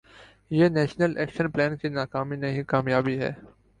یہ national action plan کی ناکامی نہیں، کامیابی ہے۔